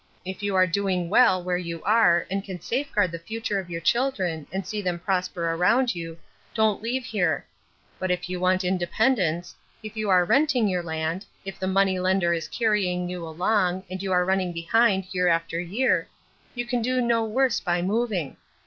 If you are doing well where you are and can safeguard the future of your children and see them prosper around you, don't leave here. But if you want independence, if you are renting your land, if the money lender is carrying you along and you are running behind year after year, you can do no worse by moving....